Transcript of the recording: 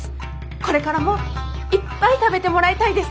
これからもいっぱい食べてもらいたいです。